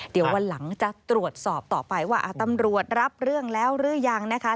เดี๋ยววันหลังจะตรวจสอบต่อไปว่าตำรวจรับเรื่องแล้วหรือยังนะคะ